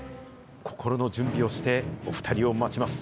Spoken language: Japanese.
心の準備をして、お２人を待ちます。